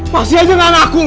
masih aja gak ngaku lo ya